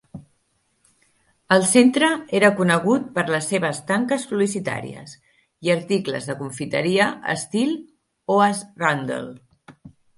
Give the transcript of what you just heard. El centre era conegut per les seves tanques publicitàries i articles de confiteria estil Oast roundel.